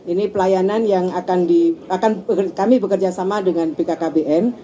ini pelayanan yang akan di kami bekerja sama dengan bkkbn